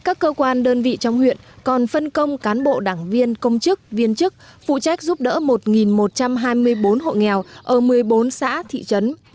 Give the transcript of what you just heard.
các cơ quan đơn vị trong huyện còn phân công cán bộ đảng viên công chức viên chức phụ trách giúp đỡ một một trăm hai mươi bốn hộ nghèo ở một mươi bốn xã thị trấn